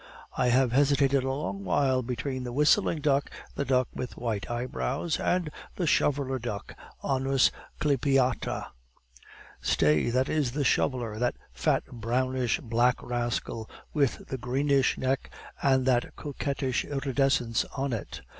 I have hesitated a long while between the whistling duck, the duck with white eyebrows, and the shoveler duck (anas clypeata). Stay, that is the shoveler that fat, brownish black rascal, with the greenish neck and that coquettish iridescence on it.